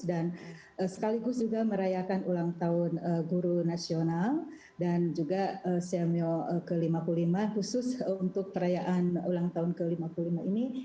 dan sekaligus juga merayakan ulang tahun guru nasional dan juga cmo ke lima puluh lima khusus untuk perayaan ulang tahun ke lima puluh lima ini